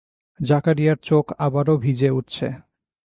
জাকারিয়ার চোখ আবারো ভিজে উঠছে।